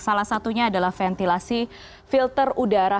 salah satunya adalah ventilasi filter udara